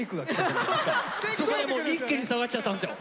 そこでもう一気に下がっちゃったんですよ！